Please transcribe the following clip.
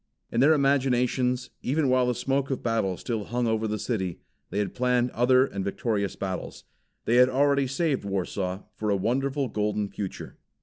In their imaginations, even while the smoke of battle still hung over the city, they had planned other and victorious battles. They had already saved Warsaw for a wonderful golden future.